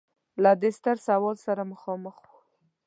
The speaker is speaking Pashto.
له دې ستر سوال سره مخامخ و.